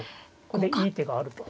ここでいい手があると。